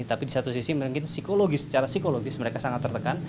tapi di satu sisi mungkin psikologi secara psikologis mereka sangat tertekan